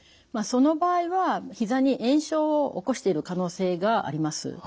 その場合はひざに炎症を起こしている可能性があります。